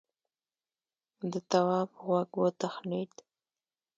د تواب غوږ وتخڼېد.